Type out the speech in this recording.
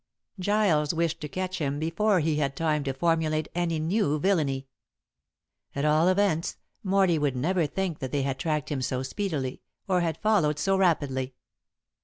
Giles wished to catch him before he had time to formulate any new villainy. At all events, Morley would never think that they had tracked him so speedily, or had followed so rapidly.